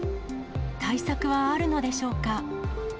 対策はあるのでしょうか。